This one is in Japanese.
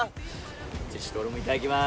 俺もいただきます。